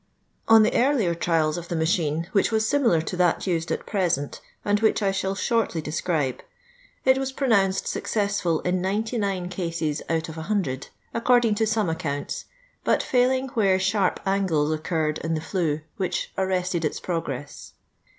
(.>n the earlier trials of the machine (which was similar to that used at present, and which I shall shortir describe), it was pronounced successful in 1^9 osrt out of luO, according to some accounts, but faiHnf where sharp angles occurred in the llue, whica arrested its jmigress.